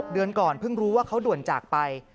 เดือนก่อนเพิ่งรู้ว่าเขาด่วนจากไป